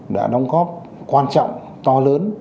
đã đóng góp quan trọng to lớn